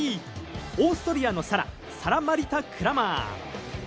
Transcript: オーストリアのサラ、サラ・マリタ・クラマー。